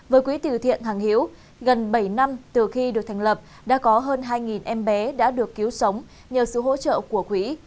với quỹ từ thiện hằng hiễu gần bảy năm từ khi được thành lập đã có hơn hai em bé đã được cứu sống nhờ sự hỗ trợ của quỹ